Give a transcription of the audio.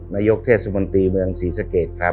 นายกเทศมนตรีเมืองศรีสะเกดครับ